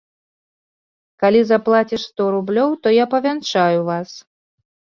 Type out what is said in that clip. Калі заплаціш сто рублёў, то я павянчаю вас.